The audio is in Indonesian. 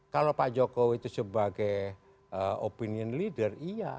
kalau pak jokowi itu sebagai opinion leader iya